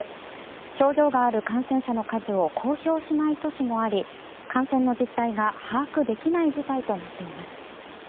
症状がある感染者の数を公表しない都市もあり感染の実態が把握できない事態となっています。